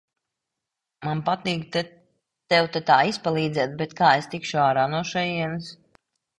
Man patīk tev te tā izpalīdzēt, bet kā es tikšu ārā no šejienes?